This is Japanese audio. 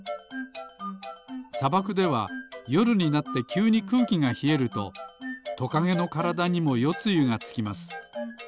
さばくではよるになってきゅうにくうきがひえるとトカゲのからだにもよつゆがつきます。